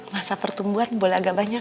masa pertumbuhan boleh agak banyak